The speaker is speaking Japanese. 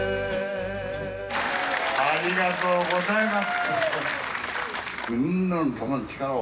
ありがとうございます。